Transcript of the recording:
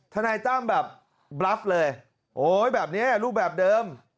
ทนายตั้มแบบบรับเลยโอ๊ยแบบนี้รูปแบบเดิม